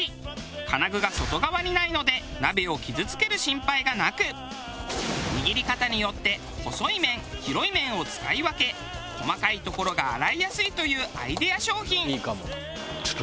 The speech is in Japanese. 金具が外側にないので鍋を傷つける心配がなく握り方によって細い面広い面を使い分け細かい所が洗いやすいというアイデア商品。